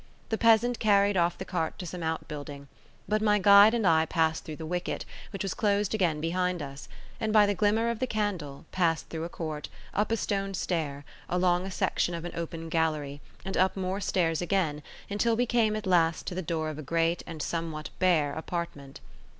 The peasant carried off the cart to some out building; but my guide and I passed through the wicket, which was closed again behind us; and by the glimmer of the candle, passed through a court, up a stone stair, along a section of an open gallery, and up more stairs again, until we came at last to the door of a great and somewhat bare apartment.